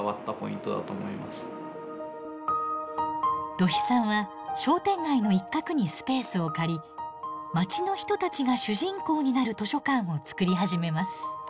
土肥さんは商店街の一角にスペースを借り街の人たちが主人公になる図書館を作り始めます。